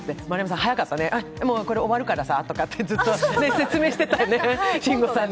でも早かったね、これ終わるからって説明してたよね、慎吾さんに。